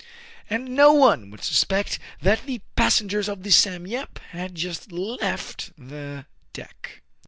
And no one would suspect that the passengers of the " Sam Yep " had just left the deck.